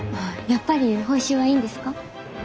やっぱり報酬はいいんですか？